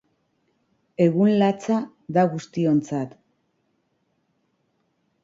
Egun latza da guztiontzat.